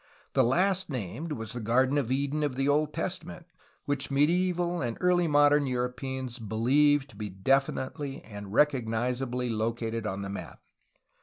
The last named was the Garden of Eden of the Old Testament, which medi eval and early modern Europeans believed to be definitely and recognizably located on the map.